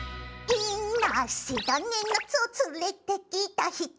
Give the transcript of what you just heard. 「いなせだね夏を連れて来た女」